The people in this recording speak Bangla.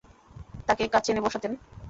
তাঁকে কাছে এনে বসাতেন।